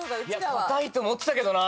堅いと思ってたけどな。